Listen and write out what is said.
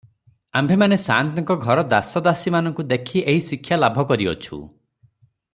ଆମ୍ଭେମାନେ ସାଆନ୍ତଙ୍କ ଘର ଦାସ ଦାସୀ ମାନଙ୍କୁ ଦେଖି ଏହି ଶିକ୍ଷା ଲାଭ କରିଅଛୁଁ ।